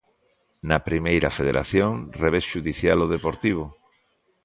Na Primeira Federación, revés xudicial ao Deportivo.